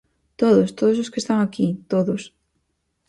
Todos, todos os que están aquí, todos.